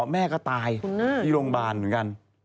แม่ก็ตายที่โรงพยาบาลเหมือนกัน